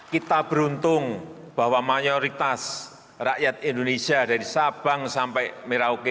kita beruntung bahwa mayoritas rakyat indonesia dari sabang sampai merauke